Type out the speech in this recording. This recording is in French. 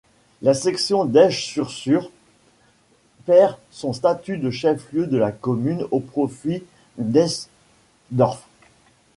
La section d’Esch-sur-Sûre perd son statut de chef-lieu de commune au profit d’Eschdorf.